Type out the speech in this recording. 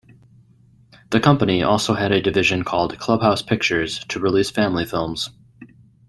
The company also had a division called "Clubhouse Pictures" to release family films.